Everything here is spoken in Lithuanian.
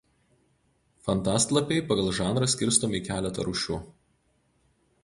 Fantastlapiai pagal žanrą skirstomi į keletą rūšių.